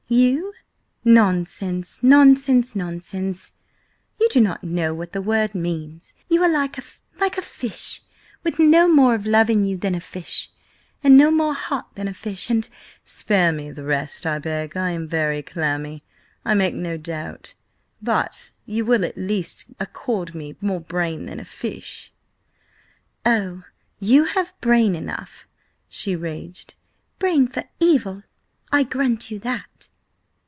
You? Nonsense! Nonsense! Nonsense! You do not know what the word means. You are like a–like a fish, with no more of love in you than a fish, and no more heart than a fish, and—" "Spare me the rest, I beg. I am very clammy, I make no doubt, but you will at least accord me more brain than a fish?" "Oh, you have brain enough!" she raged. "Brain for evil! I grant you that!"